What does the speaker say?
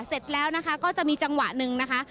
เสร็จแล้วนะคะก็จะมีจังหวะหนึ่งนะคะ